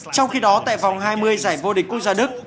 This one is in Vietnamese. trong khi đó tại vòng hai mươi giải vd quốc gia đức